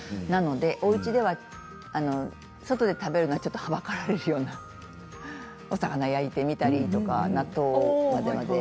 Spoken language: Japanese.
おうちでは外で食べるのがはばかられるようなお魚を焼いてみたりとか納豆を混ぜて。